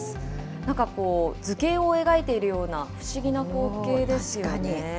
なんかこう、図形を描いているような、不思議な光景ですよね。